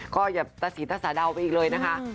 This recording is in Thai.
ก็อย่าตะสีตะสาเดาไปอีกเลยนะคะ